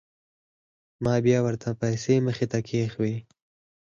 ما بيا ورته پيسې مخې ته کښېښووې.